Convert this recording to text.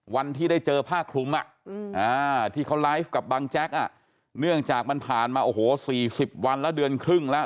วันที่ได้เจอผ้าคลุมที่เขาไลฟ์กับบังแจ๊กเนื่องจากมันผ่านมาโอ้โห๔๐วันแล้วเดือนครึ่งแล้ว